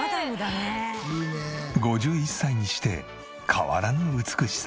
５１歳にして変わらぬ美しさ。